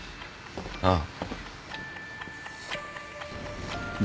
ああ。